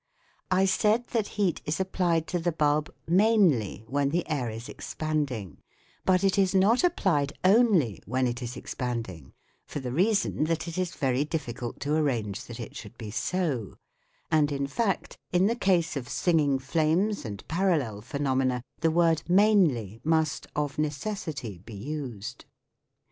I said that heat is applied to the bulb mainly when the air is expand ing, but it is not applied only when it is expanding, for the reason that it is very difficult to arrange that it should be so ; and in fact in the case of singing flames and parallel phenomena the word mainly must of necessity be used.